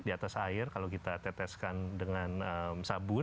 di atas air kalau kita teteskan dengan sabun